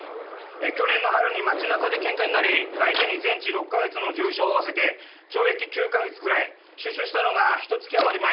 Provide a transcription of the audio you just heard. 去年の春に町中で喧嘩になり相手に全治６か月の重傷を負わせて懲役９か月くらい出所したのがひと月あまり前。